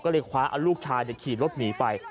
ก็เลยคว้าลูกชายเขียนรถหนีไป